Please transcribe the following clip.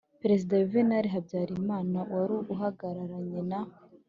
perezida yuvenali habyarimana wari uhagararanye na